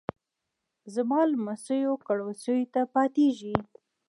زما لمسیو کړوسیو ته پاتیږي